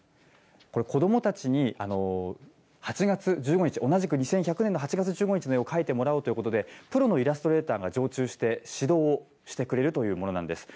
これ、子どもたちに、８月１５日、同じく２１００年の８月１５日の絵を描いてもらおうということで、プロのイラストレーターが常駐して指導をしてくれるというものなんです。